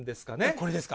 これですか。